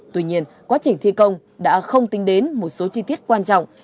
tuy nhiên quá trình thi công đã không tính đến một số chi tiết quan trọng